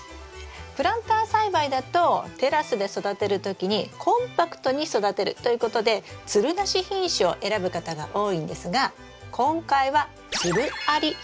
プランター栽培だとテラスで育てる時にコンパクトに育てるということでつるなし品種を選ぶ方が多いんですが今回はつるあり品種を選びます。